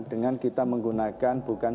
dengan kita menggunakan bukan